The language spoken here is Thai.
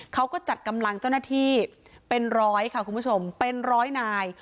เขาก็จัดกำลังเจ้าหน้าที่เป็นร้อยค่ะคุณผู้ชมเป็นร้อยนาย